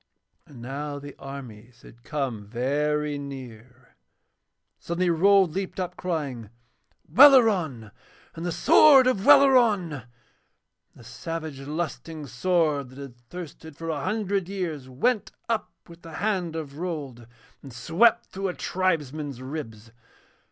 And now the armies had come very near. Suddenly Rold leaped up, crying: 'Welleran! And the sword of Welleran!' And the savage, lusting sword that had thirsted for a hundred years went up with the hand of Rold and swept through a tribesman's ribs.